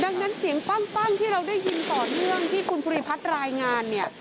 ดังนั้นเสียงปั้งที่เราได้ยินต่อเนื่องที่คุณภูริพัฒน์รายงานเนี่ย